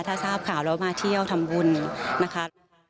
ถ้าทราบข่าวแล้วมาเที่ยวทำบุญนะคะ